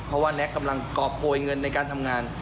เพราะว่าแน็กกำลังกรอบโกยเงินในการทำงาน